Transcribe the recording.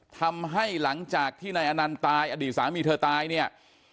ทำให้หลังจากที่นายอันนันตายอดีตสามีเธอตาย